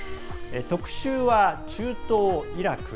特集は、中東イラク。